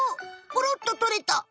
ポロっととれた。